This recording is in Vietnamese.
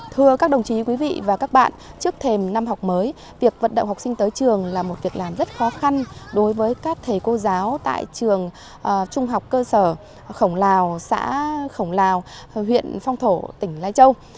thưa các đồng chí quý vị và các bạn trước thềm năm học mới việc vận động học sinh tới trường là một việc làm rất khó khăn đối với các thầy cô giáo tại trường trung học cơ sở khổng lào xã khổng lào huyện phong thổ tỉnh lai châu